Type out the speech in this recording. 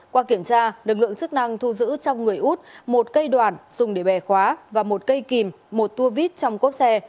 qua kiểm tra lực lượng chức năng thu giữ trong người út một cây đoàn dùng để bẻ khóa và một cây kìm một tua vít trong cốp xe